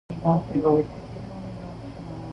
Fourteen teams participated.